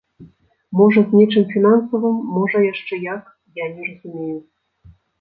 Можа, з нечым фінансавым, можа, яшчэ як, я не разумею.